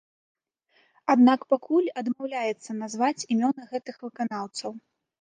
Аднак пакуль адмаўляецца назваць імёны гэтых выканаўцаў.